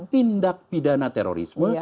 tindak pidana terorisme